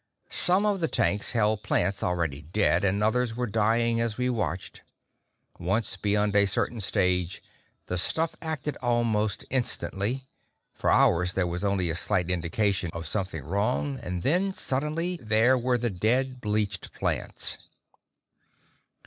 Some of the tanks held plants already dead, and others were dying as we watched; once beyond a certain stage, the stuff acted almost instantly for hours there was only a slight indication of something wrong, and then suddenly there were the dead, bleached plants.